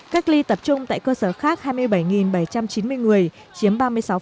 cách ly tập trung tại cơ sở khác hai mươi bảy bảy trăm chín mươi người chiếm ba mươi sáu